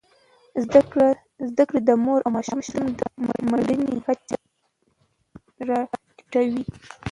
زدهکړې د مور او ماشوم د مړینې کچه راټیټوي.